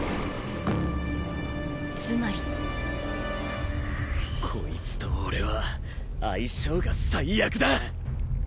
つまりこいつと俺は相性が最悪だ。